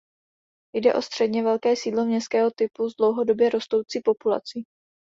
Jde o středně velké sídlo městského typu s dlouhodobě rostoucí populací.